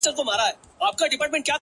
د شېخانو د ټگانو؛ د محل جنکۍ واوره؛